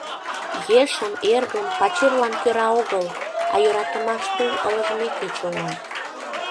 Ешым, эргым, пачерлан кӧра огыл, а йӧратымаш тул ылыжмеке чоҥат.